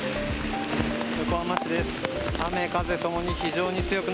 横浜市です。